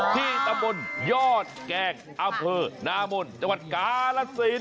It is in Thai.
ที่ตำบลยอดแกงอำเภอนามนจังหวัดกาลสิน